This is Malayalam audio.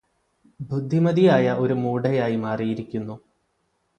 ഭുദ്ധിമതിയായ ഒരു മൂഡയായി മാറിയിരിക്കുന്നു